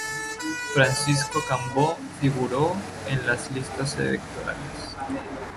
Francisco Cambó figuró en las listas electorales.